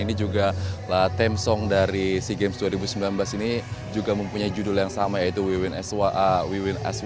ini juga theme song dari sea games dua ribu sembilan belas ini juga mempunyai judul yang sama yaitu we win as one